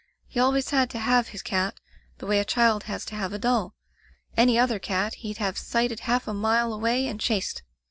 He always had to have his cat, the way a child has to have a doll. Any other cat he'd have sighted half a mile away and chased.